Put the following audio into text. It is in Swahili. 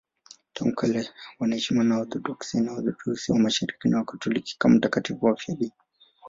Tangu kale wanaheshimiwa na Waorthodoksi, Waorthodoksi wa Mashariki na Wakatoliki kama watakatifu wafiadini.